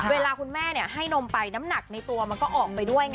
เวลาคุณแม่ให้นมไปน้ำหนักในตัวมันก็ออกไปด้วยไง